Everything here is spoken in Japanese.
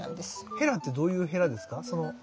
ヘラってどういうヘラですか？